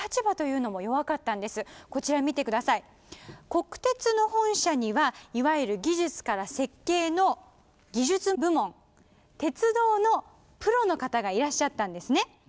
国鉄の本社にはいわゆる技術から設計の技術部門鉄道のプロの方がいらっしゃったんですね。